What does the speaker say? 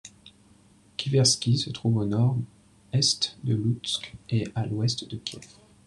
Kivertsi se trouve à au nord-est de Loutsk et à à l'ouest de Kiev.